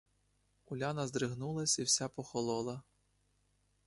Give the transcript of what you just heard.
Уляна здригнулась і вся похолола.